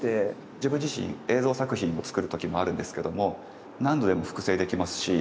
自分自身映像作品を作る時もあるんですけども何度でも複製できますし。